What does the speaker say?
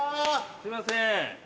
すいません